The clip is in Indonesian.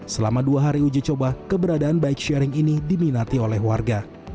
selama dua hari uji coba keberadaan bike sharing ini diminati oleh warga